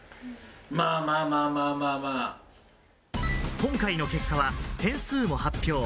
今回の結果は点数を発表。